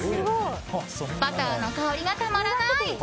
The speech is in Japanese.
バターの香りがたまらない！